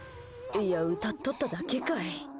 いや歌っとっただけかい。